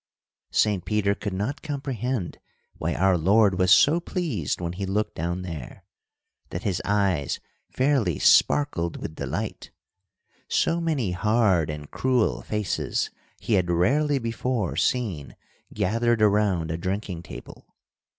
Saint Peter could not comprehend why our Lord was so pleased when He looked down there, that His eyes fairly sparkled with delight. So many hard and cruel faces he had rarely before seen gathered around a drinking table.